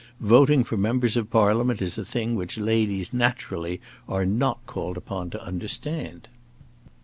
Voting for Members of Parliament is a thing which ladies naturally are not called upon to understand."